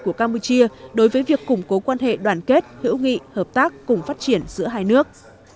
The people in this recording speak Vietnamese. của campuchia đối với việc củng cố quan hệ đoàn kết hữu nghị hợp tác cùng phát triển giữa hai nước